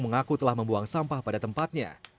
mengaku telah membuang sampah pada tempatnya